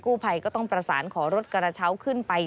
ภัยก็ต้องประสานขอรถกระเช้าขึ้นไป